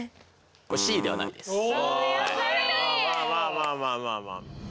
まあまあまあまあ。